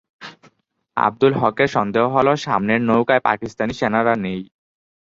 আবদুল হকের সন্দেহ হলো, সামনের নৌকায় পাকিস্তানি সেনারা নেই।